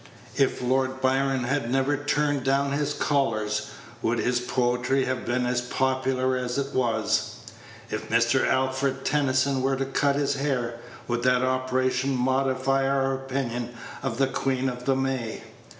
If Lord Byron had never turned down his collars, would his poetry have been as popular as it was. If Mr. Alfred Tennyson were to cut his hair, would that operation modify our opinion of The Queen of the May?